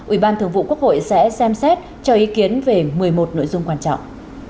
ủy ban thường vụ quốc hội sẽ xem xét cho ý kiến về một mươi một nội dung quan trọng